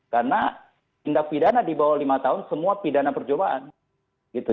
karena tindak pidana di bawah lima tahun semua pidana percobaan gitu